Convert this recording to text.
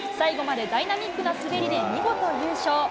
最後までダイナミックな滑りで見事、優勝。